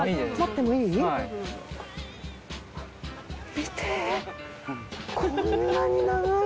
見て。